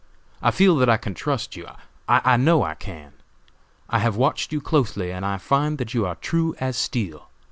I feel that I can trust you; I know I can. I have watched you closely, and find that you are true as steel.